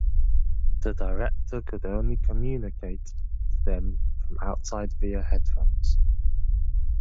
The director could only communicate to them from outside via headphones.